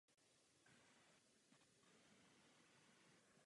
Nyní působí jako hokejový agent.